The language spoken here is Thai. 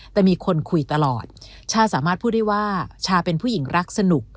แต่มีคนคุยตลอดชาสามารถพูดได้ว่าชาเป็นผู้หญิงรักสนุก